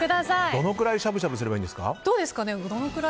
どのくらいしゃぶしゃぶすればいいんですか？